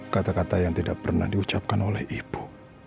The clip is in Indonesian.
kata kata yang tidak pernah diucapkan oleh ibu